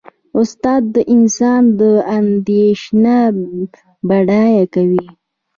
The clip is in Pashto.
استاد د انسان اندیشه بډایه کوي.